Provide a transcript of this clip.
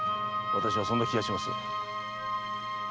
私はそんな気がします。